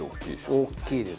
大きいです。